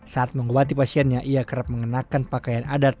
saat mengobati pasiennya ia kerap mengenakan pakaian adat